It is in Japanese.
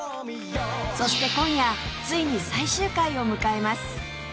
そして今夜ついに最終回を迎えます